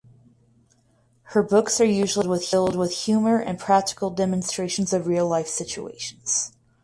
Her books are usually filled with humour and practical demonstrations of real life situations.